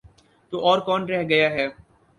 تو اور کون رہ گیا ہے؟